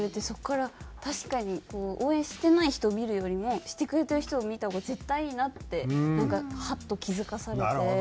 そこから確かに応援してない人を見るよりもしてくれてる人を見た方が絶対いいなってなんかハッと気付かされて。